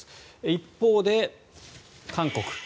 一方で、韓国。